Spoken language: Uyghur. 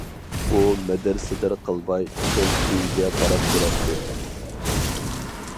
ئۇ مىدىر-سىدىر قىلماي كۆل سۈيىگە قاراپ تۇراتتى.